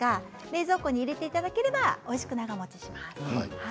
冷蔵庫に入れていただければおいしく長もちします。